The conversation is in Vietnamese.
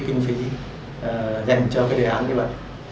kinh phí dành cho cái đề án đó